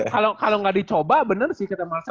soalnya kalau nggak dicoba benar sih kita malasar